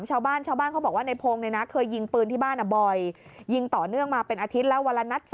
ใช่ยิงมาเป็นอาทิตย์แล้ว